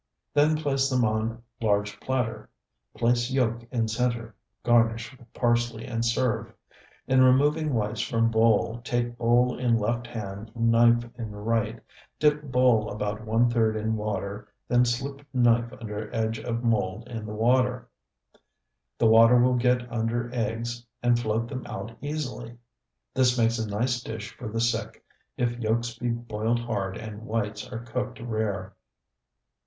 Then place them on large platter, place yolk in center, garnish with parsley, and serve. In removing whites from bowl, take bowl in left hand, knife in right, dip bowl about one third in water, then slip knife under edge of mold in the water. The water will get under eggs and float them out easily. This makes a nice dish for the sick, if yolks be boiled hard and whites are cooked rare.